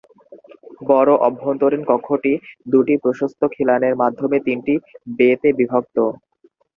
বড় অভ্যন্তরীণ কক্ষটি দুটি প্রশস্ত খিলানের মাধ্যমে তিনটি ‘বে’তে বিভক্ত।